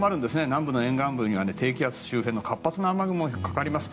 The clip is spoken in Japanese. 南部の沿岸部には低気圧周辺の活発な雨雲がかかります。